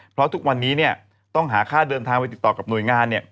เพราะทุกวันนี้ต้องหาค่าเดินทางไปติดต่อกับหน่วยงาน